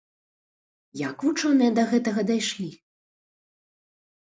Як вучоныя да гэтага дайшлі?